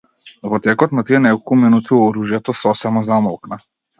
Во текот на тие неколку минути, оружјето сосема замолкна.